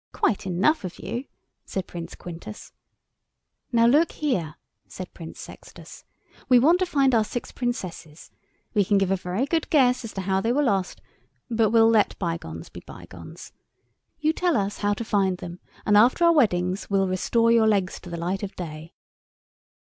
"Quite enough of you," said Prince Quintus. "Now look here," said Prince Sextus; "we want to find our six Princesses. We can give a very good guess as to how they were lost; but we'll let bygones be bygones. You tell us how to find them, and after our weddings we'll restore your legs to the light of day."